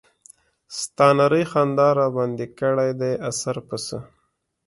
ستا نرۍ خندا راباندې کړے دے اثر پۀ څۀ